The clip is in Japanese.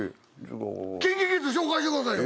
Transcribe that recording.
ＫｉｎＫｉＫｉｄｓ紹介してくださいよ